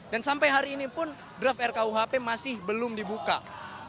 dan sampai hari ini pun draft rkuhp ini sudah diberikan kepada presiden dan juga dpr ri